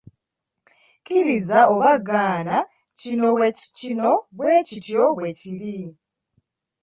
Kkiriza oba gaana kino bwe kityo bwe kiri.